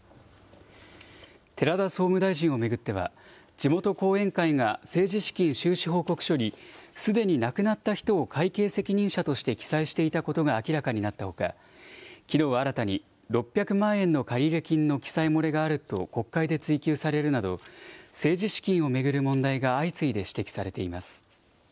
寺田総務大臣を巡っては、地元後援会が政治資金収支報告書に、すでに亡くなった人を会計責任者として記載していたことが明らかになったほか、きのうは新たに、６００万円の借入金の記載漏れがあると国会で追及されるなど、政治資金を巡る問題が相次いで指摘されています。